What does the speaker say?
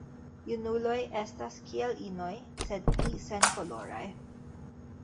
Junuloj estas kiel inoj, sed pli senkoloraj.